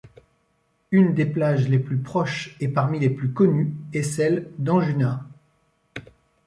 Une des plages les plus proches et parmi les plus connues est celle d'Anjuna.